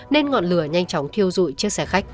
nên ngọn lửa nhanh chóng thiêu dụi chiếc xe khách